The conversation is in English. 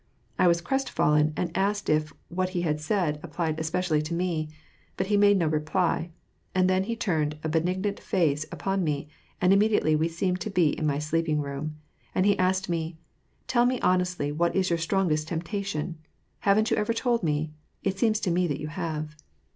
I was crestfallen, and asked if what he hsid said applied especially to me; but he made no reply; then he turned a benignant face upon me, and immediately we seemed to be in my sleeping^room. And he asked me, Tell me honestly what is your strongest temptation? Haven't you ever told me? It seems to me that you have."